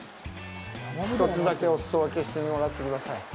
１つだけお裾分けしてもらってください。